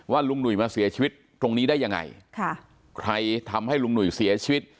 ลุงหนุ่ยมาเสียชีวิตตรงนี้ได้ยังไงค่ะใครทำให้ลุงหนุ่ยเสียชีวิต